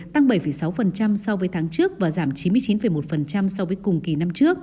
tăng bảy sáu so với tháng trước và giảm chín mươi chín